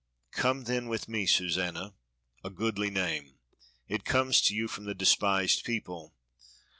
"Come, then, with me, Susanna a goodly name, it comes to you from the despised people.